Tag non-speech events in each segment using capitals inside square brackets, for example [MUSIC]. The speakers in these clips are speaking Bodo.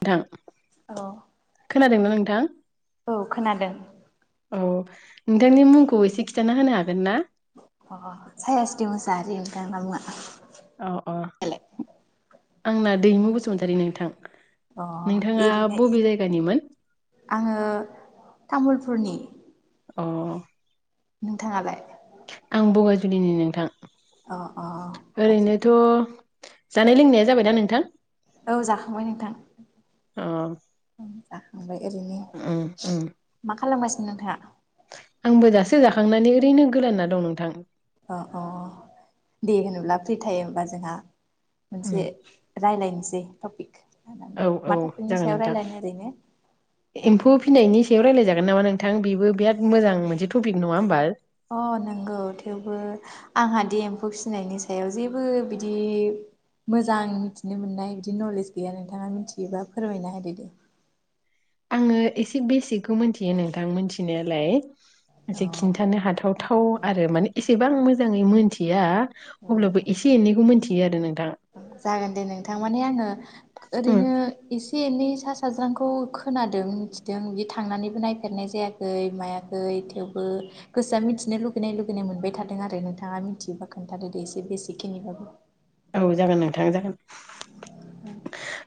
नोंथां औ खोनादोंना नों [UNINTELLIGIBLE] औ खोनादों। औ नोंथांनि मुंखौ एसे खिथाना होनो हागोन ना? अ अ सायास्रि मुसाहारि आंना मुङा। अ अ दालाय आंना दैमु बसुमतारी नोंथां। अ नोंथाङा ओरैनो बबे जायगानिमोन आङो [UNINTELLIGIBLE] [UNINTELLIGIBLE] अ। नोंथाङालाय? आं बगाजुलिनि नोंथां। अ अ गाज्रि ओरैनोथ' जानाय -लोंनाया जाबायना नोंथां? औ जाखांबाय नोंथां अ [INAUDIBLE] ओमफाय ओरैनो उम उम मा खालामगासिनो नोंथाङा आंबो दासो जाखांनानै ओरैनो गोलांना दं नोंथां अ अ दे होनोब्ला फ्रि टाइम बा जोंहा उम मोनसे रायलायनोसै टपिक लानानै औ मा औ टपिकनि जागोन सायाव नोंथां रायलायनो ओरैनो एम्फौ फिनायनि सायाव रायलायजागोन नामा नोंथां बेबो बिराद मोजां मोनसे टपिक नङा होनोमबा अ नंगौ थेवबो आंहादि एम्फौ फिनायनि सायाव जेबो बिदि मोजां मिथिनो मोननाय बिदि नलेज गैया नोंथाङा मिथियोबा फोरमायना होदो दे आङो एसे बेसिकखौ मिथियो नोंथां मोनथिनायालाय अ एसे खिन्थानो हाथावथाव औ आरो माने एसेबां आं मोज जाङै मिनथिया औ अब्लाबो एसे एनैखौ मोनथि यो आरोनो जागोन दे नोंथां माने आङो उम ओरैनो इसे एसे एनै सा साज्रांखौ खोनादों मिथिदों बि थांनानैबो नायफेरनाय जायाखै मायाखै थेवबो गोसोआ मिथिनो लुगैनाय लुगैनाय मोनबाय थादों आरो नोंथाङा मिथियोबा खोन्थादोदे एसे बेसेखिनिबाबो औ जागोन नोंथां जागोन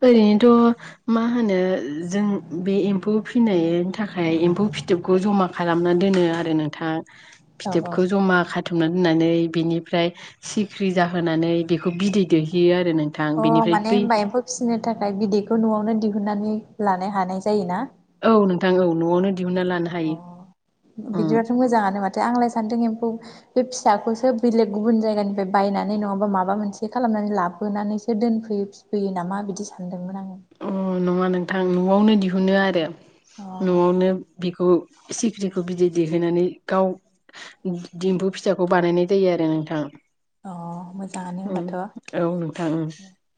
ओरैनोथ मा होनो जों बे एम्फौ फिनायनि थाखाय एम्फौ फिथोबखौ जमा खालामना दोनो आरो नोंथां औ फिथोबखौ औ जमा खाथुब थुमना दोननानै बिनिफ्राय सिख्रि जाहोनानै बेखौ बिदै दैेहैयो आरो नोंथां अ बेनिफ्राय माने बै होनबा एम्फौ फिसिनो थाखाय बिदैखौ नआवनो दिहुन दिहुननानै लानो हानाय जायोना औ नोंथां औ नआवनो दिहुनना लानो हायो उम बिदिबाथ मोजाङानो माथो थो आंलाय सानदों एम्फौ बे फिसाखौसो बेलेग गुबुन जायगानिफ्राय बायनानै नङाबा माबा मोनसे खालामनानै लाबोनानैसो दोनफैयो फिफैयो नामा बिदि सानदोंमोन आं अ नङा नोंथां नआवनो दिहुनो आरो अ नआवनो बिखौ सिखिरिखौ बिदै दै होनानै गाव दिम्फु फिसाखौ बानायनाय जायो आरो नोंथां अ मोजाङानो उम होनबाथ औ नोंथां उम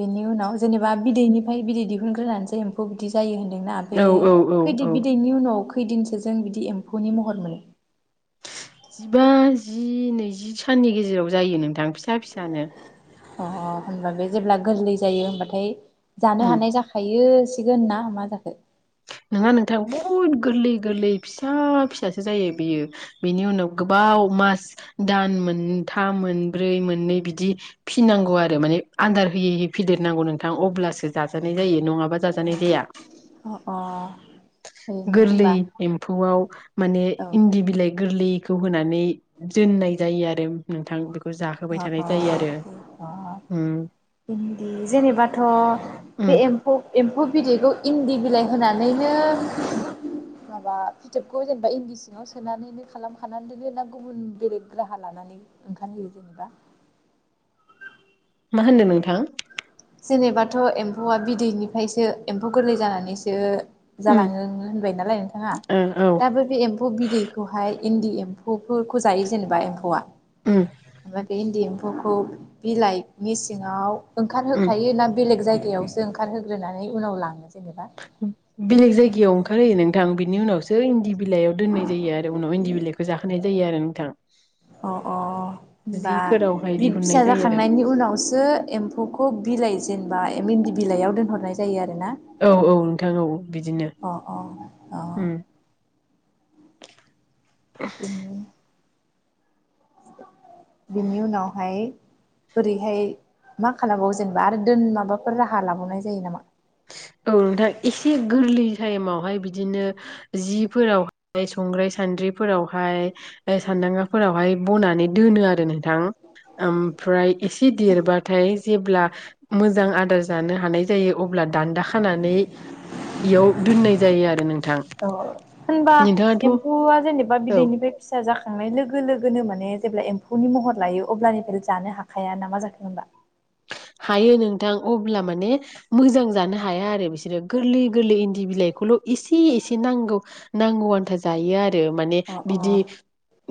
बेनि उनाव जेनेबा बिदैनिफ्राय बिदै दिहुनग्रोनानैसो एम्फौ बिदि जायो होन ना बे औ औ औ औ खैदिद बिदैनि उनाव खैदिनसो जों बिदि एम्फौनि महर मोनो जिबा जि नैजि साननि गेजेराव जायो नोंथां फिसा फिसानो अ अ होनबा बे जेब्ला गोरलै जायो होनबाथाय जानो उम हानाय जाखायो। सिगोन ना मा जाखो? नोंङा नोंथां बहुद गोरलै गोरलै फिसा फिसासो जायो बेयो बेनि उनाव गोबाव मास दान मोनथाम मोनब्रै मोननै बिदि फिनांगौ आरो माने आदार होयै होयै फिदेरनांगौ नोंथां अब्लासो जाजानाय जायो नङा अ अ अ। ओरैनो गोरलै होनबा एम्फौआव माने औ इन्दि बिलाइ गोरलैखौ होनानै दोननाय जायो आरो नोंथां बे अ अ अ अ उम इन्दि जेनेबाथ' उम बे एम्फौ एम्फौ बिदैखौ इन्दि बिलाइ होनानैनो माबा फिथोबखौ जेनेबा इन्दि सिङाव सोनानैनो खालामखानानै दोनो ना गुबुन बेलेग राहा लानानै ओंखारहोयो? जेनेबा। मा होनदों नोंथां? जेनेबाथ' एम्फौआ बिदैनिफ्रायसो एम्फौ गोरलै जानानैसो उम जालाङो होनबाय नालाय नोंथाङा ओ औ दा बे बे एम्फौ बिदैखौहाय इन्दि एम्फौ फौफोरखौ जायो जेनेबा एम्फौआ। उम ओमफाय बे इन्दि एम्फौ फौखौ बिलाइनि सिङाव उम खायो ना बेलेग जायगा यावसो ओंखारहोग्रोनानै उनाव लाङो। जेनेबा बेलग जायगा गायाव ओंखार होयो नोंथां बिनि उनावसो इन्दि बिलाइयाव दोननाय जायो आरो उनाव इन्दि बिलाइखौ जाहोनाय जायो आरो नोंथां अ अ होनबा जिफोरावहाय बि फिसा दिहुननाय जायो आरो। जाखांनायनि उनावसो एम्फौखौ बिलाइ जेनेबा इम इन्दि बिलाइयाव दोनहरनाय जायो आरो। औ औ नोंथां औ बिदिनो अ अ अ उम। बिनि बिनि उनावहाय बोरैहाय मा खालामबावो जेनेबा आरो दोन माबाफोर राहा लाबावनाय जायो नामा? औ नोंथां एसे गोरलै टाइमावहाय बिदिनो जिफोरावहाय संग्राय सान्द्रिफोरावहाय फाय सान्दांगाफोरावहाय बनानै दोनो आरो नोंथां। ओमफ्राय एसे देरबाथाय जेब्ला मोजां आदार जानो हानाय जायो अब दान्दा खानानै इयाव दोननाय जायो आरो नोंथां औ होनबा नोंथाङाथ' एम्फौआ जेनेबा औ। बिदैनिफ्राय फिसा जाखांनाय लोगो लोगोनो माने जेब्ला एम्फौनि महर लायो अब्लानिफ्राय जानो हाखाया ना मा जाखो होनबा? हायो नोंथां अब ब्ला माने मोजां जानो हाया आरो बिसोरो गोरलै गोरलै इन्दि बिलाइखौल' एसे एसे नांगौ नांगौ आन्था जायो आरो। रो माने अ अ बिदि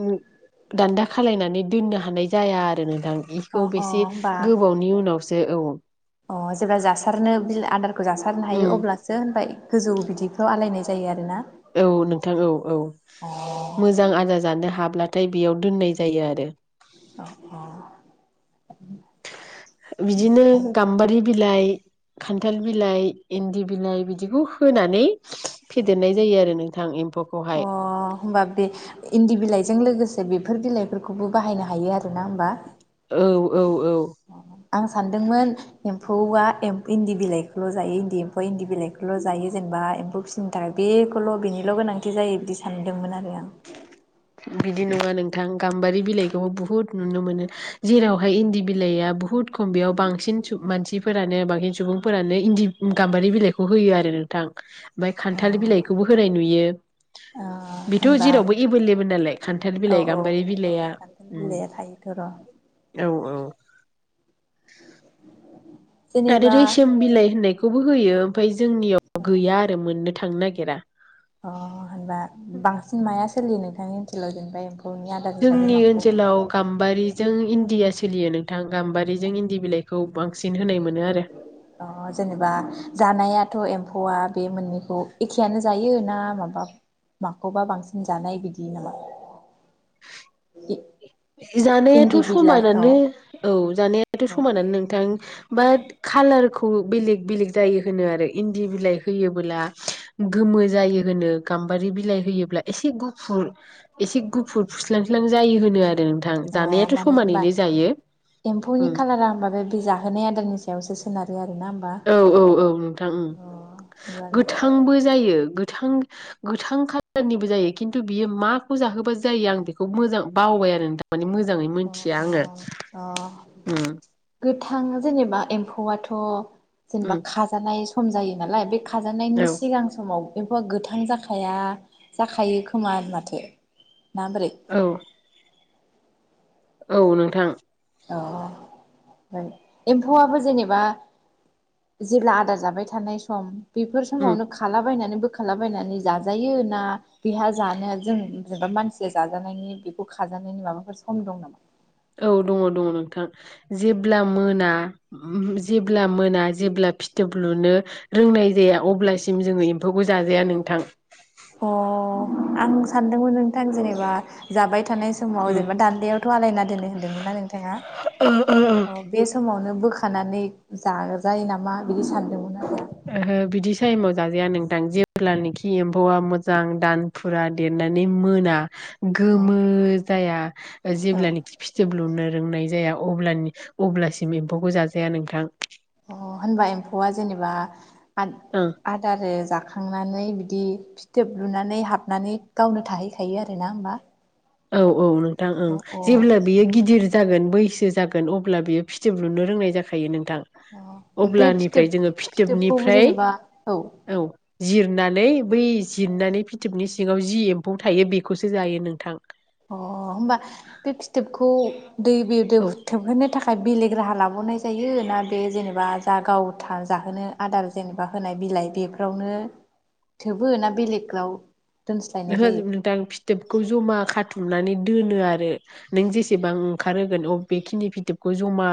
उम दान्दा खालायनानै दोननो हानाय जाया आरो नों थां अ बेखौ अ बेसे होमबा गोबावनो आवसो औ अ जेब्ला जासारनो बिल आदार खौ जासारनो उम हायो अब्लासो होनबाय गोजौ बिदिखौ आलायनाय जायो आरो ना औ नोंथां औ औ मोजां आदार जानो हाब ब्लाथाय बेयाव दोननाय जायो आरो। अ अ बिदिनो ओमफ्राय गामबारि बिलाइ खान्थाल बिलाइ इन्दि बिलाइ बिदिखौ होनानै फेदेरनाय जायो आरो नोंथां एम अ होमबा बे इन्दि बिलाइजों लोगोसे जे बेफोर बिलाइफोरखौबो बाहायनो हायो आरोना होमबा? औ औ औ आं सानदोंमोन एम म्फौआ इन्दि बिलाइखौल' जायो इन्दि एम्फौ इन्दि बिलाइखौल' जायो जेनेबा एम्फौ फिसिनो थाखाय बेखौल' बेनिल' गोनांथि जायो बिदि सानदोंमोन आरो आं। बिदि नङा नोंथां गाम्बारि बिलाइखौबो बुहुत नुनो मोनो जेरावहाय इन्दि बिलाइआ बुहुत खम बेयाव बांसिन सुब मानसि फोरानो बांसिन सुबुंफोरानो इन्दि गाम्बारि बिलाइखौ होयो आरो नोंथां ओमफाय खान्थाल अ बिलाइखौबो होनाय नुयो ओ बेथ' होनबा जेरावबो एबेलेबोल लाय खान्थाल औ बिलाइ औ गाम्बारि औ बिलाइआ खान्थाल उम बिलाइया थायोथ' र' औ औ आरो जेनेबा रेसोम बिलाइ होननाय खौबो होयो ओमफाय जोंनियाव गैया आरो मोननो थांनो नागिरा। अ होनबा बांसिन माया सोलियो नोंथांनि ओनसोलाव' जेनेबाय एम्फौ जोंनि ओनसोलाव गाम्बारिजों इण्डिया सो लियो नोंथां गाम्बारिजों इन्दि बिलाइखौ बांसिन होनाय मोनो आरो आथ' एम्फौआ बे मोननैखौ एखेयानो जायो ना माबा माखौबा बांसिन जानाय बिदि नामा? दि जानायाथ' समानानो औ जानायाथ' अ समानानो नोंथां बाट खालारखौ खौ बेलेक बेलेख जायो होनो आरो इन्दि बिलाय होयोबोला गोमो जायो होनो गामबारि बिलाइ होयोबोला एसे गुफुर एसे गुफुर फुस्लां स्लां जायो होनो आरो नोंथां अ जानायाथ' माने होनबा समानैनो जायो एम्फौनि उम खालारा होमबा बे जाहोनाय आदारनि सायावसो सोनारो आरो औ औ औ नोंथां गोथांबो जायो। थां गोथां कालारनिबो जायो खिन्थु बियो माखौ जाहोबा जायो आं बेखौ मोजां बावबाय आरोे नोंथां मोजाङै अह अह अह ओम गोथां जेनेबा एम्फौआथ' जेनबा उम खाजानाय खम जायो नालाय बे औ खाजानायनि सिगां समाव एम्फोआ गोथां जाखाया जाखायो खोमा माथो ना बोरै औ औ नोंथां औ एम्फौआबो जेनेबा जेब्ला आदार जाबाय थानाय सम बेफोर उम समावनो खालाबायनानै बो खालामबायनानै जाजायो ना बेहा जानो जों जेनेबा मानसिया जाजानायनि बेखौ खाजानायनि माबाफोर सम दं नामा? औ दङ दङ नोंथां जेब्ला मोना जेब्ला मोना जेब्ला फिथोब लुनो रोंनाय जाया अब्लासिम जोङो - एम्फौबो जाजाया नोंथां। अ आं सानदोंमोन नोंथां जेनेबा जाबाय थ थानाय समाव उम जेनेबा दान्दायावथ' आलायना दोननो होनदोंमोनना नोंथाङा। ओहो अ' बे समावनो बोखानानै जाजायो नामा बिदि सान ओ हो बिदि सायमज जाजाया नोंथां जेब्लानोखि एम्फौवा मोजां दान फुरा देरनानै मोना औ गोमो जाया औ जेब्लानाखि फिथोब लुनो रोंनाय जाया अब्लानि अब्लासिम एम्फौखौ जाजाया नोंथां। अ' होनबा एम्फौआ जेनेबा आ ओं आदारो जाखा जाखांनानै बिदि फिथोब लुनानै हाबनानै गावनो थाहैखायो आरो ना होमबा। औ औ नों नोंथां ओं अ अ जेब्ला बियो गिदिर जागोन बैसो जागोन अब्ला बियो फि फिथोब लुनो रोंनाय जाखायो नोंथां अ बे फिथोब अब्लानिफ्राय जोङो फिथोबखौबो फिथोबनिफ्राय जेनेबा औ जिरनानै बै जिरनानै फिथोबनि सिङाव जि एम्फौ थायो बेखौसो जायो नोंथां। अ होमबा बे फिथोबखौ दै बेद थोब औ थोबहोननो थाखाय बेलेग राहा लाबोनाय जायो ना बे जेनेबा जा गाव था थार जाहोनो आदार जेनेबा होनाय बिलाइ बेफोरावनो थोबो ना बेलेगाव दोनस्लायनाय ओहो जो जायो नोंथां फिथोबखौ जमा खाथुम नानै दोनो आरो नों जेसेबां ओंखार होगोन बेखिनि फिथोबखौ जमा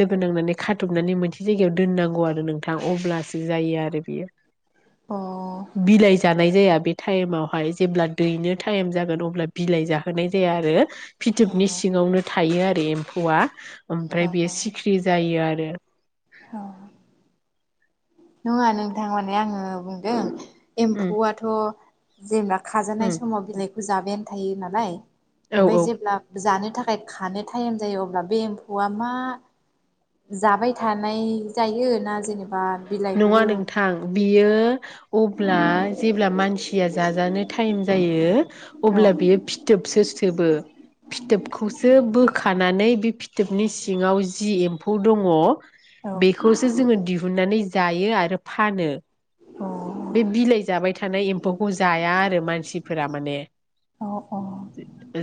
लोगो नांनानै खाथबनानै मोनसे जायगायाव दोननांगौ आरो नोंथां अब्लासो जायो आरो बेयो। अ बिलाइ जानाय जाया। बे टाइमाव। फाय जेब्ला दैनो टाइम जागोन अब्ला बिलाइ जाहोनाय जाया आरो अ फिथोबनि सिङावनो थायो आरो एम फवा ओमफ्राय अ बेयो अ सिखिरि जायो आरो। औ। नङा नोंथां माने आङो बुंदों। उम एम्फौआथ' जेब्ला खाजेननाय उम समाव बेलेग जाबायानो थायो नालाय। औ ओमफ्राय औ जेब्ला जानो। थाखाय खानो टाइम जायो अब्ला बे एम्फौआ मा जाबाय थानाय जायो ना जेनेब बा नङा बिलाइफोरवो। नोंथां बियो अब्ला जेब्ला मानसिया जाजानो थाइम जायो। औ अब्ला बियो फिथोबसो ओबो फिथोबखौसो बोखानानै बे फिथोबनि सिङाव जि एम्फौ दङ। औ बेखौसो जोङो दि नानै जायो आरो फानो। बे औ बिलाइ जाबाय थानाय एम्फौखौ जाया आरो मानसिफोरा माने औ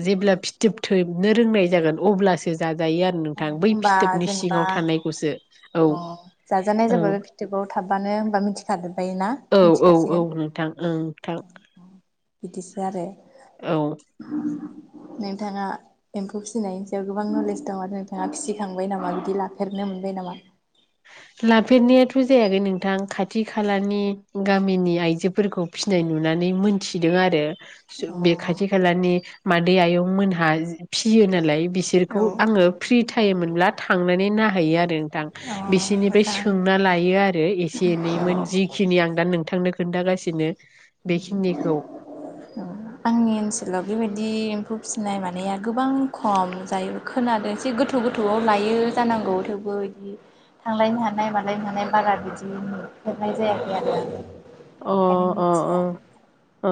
जेब्ला फिथ थोब थोबनो रोंनाय जागोन अब्लासो जाग जायो आरो औ नोंथां बै होमबा फिथोबनि जेनेबा सिङाव थानायखौसो। औ अ जाजानाय जोबो फिथकआव थाबबानो होमबा मिथिखाजोबबाय। औ औ औ नोंथां ओं नोंथां। बिदिसो आरो। औ नोंथाङा एम्फौ फिसनायनि सायाव गोबां नलेज दङ नोंथाङा फिसिखांबाय नामा बिदि लाफेरनो मोनबाय नामा? लाफेरनायाथ जायाखै नोंथां खाथि खालानि गामिनि आइजोफोरखौ फिनाय नुनानै मोन थिदों आरो औ बे खाथि खालानि मादै आयं मोनहा फियो नालाय बिसोरखौ औ आङो फ्रि थाइम मोनब्ला थांनानै नायहैयो आरो नोंथां बिसिनिफ्राय सोंना मोजाङानो लायो आरो एसे एनैमोन जिखिनि आं दा नोंथांनो खोन्थागासिनो बेखिनिखौ नि ओनसोलाव बेबायदि एम्फौ फिसनाय मानाया गोबां खम जाय खोनादों एसे गोथौ गोथौआव लायो जानांगौ थेवबो इदि थांलायनो हानाय मालायनो हानाय बारा बिदि नुफेरनाय जायाखै आरो आं। अ बेनिखायनो अ अ मिथिया अ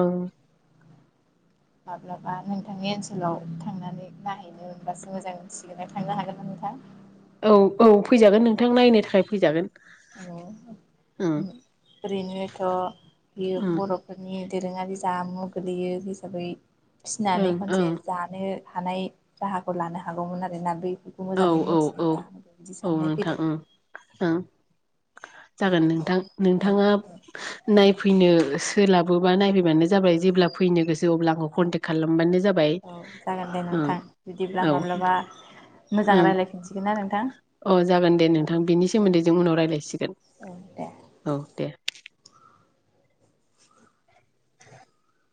माब्लाबा नोंथांनि ओनसोलाव थांनानै नाहैनो मोनबासो मोजां मोनसिगोन आं थांनो हागोन ना नोंथां औ औ फैजागोन नोंथां नायनो थाखाय फैजागोन हेलौ ओं ओरैनोथ बियो ओं बर फोरनि दोरोङारि जामु गोलैयो हिसाबै फिनानै ओं खनसे ओं जानो थानाय राहाखौ लानो हागौमोन आरोना बे खौ औ मोजाङै औ औ मिथियोबा बिदि औ साननाय नोंथां फैदों। ओं ओं जागोन नोंथां नोंथाङा नायफैनो सोलाबोबा नायफैबानो जाबाय जेब्ला फैनो गोसो अब्ला आंखौ कन्टेक्ट खालामबानो जाबाय औ जागोन दे ओं नोंथां बिदिब्ला औ माब्लाबा मोजां ओं रायलायफिनसिगोन ना नोंथां अ जागोन दे औ नोंथां बेनि औ सोमोन्दै जों उनाव रायज्लायसिगोन औ दे औ दे। [INAUDIBLE]